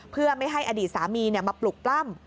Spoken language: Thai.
เพื่อไม่ให้อดีตสามีมาปลุกปล้ำ